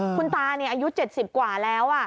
คุณตาอายุ๗๐กว่าแล้ว